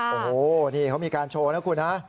โอ้โหนี่เขามีการโชว์นะคุณฮะ